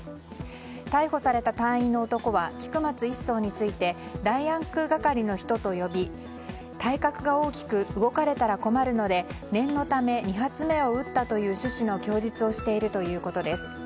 逮捕された隊員の男は菊松１曹について弾薬係の人と呼び体格が大きく動かれたら困るので念のため２発目を撃ったという趣旨の供述をしているということです。